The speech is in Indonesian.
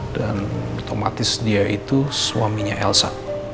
dan otomatis dia itu suaminya elsa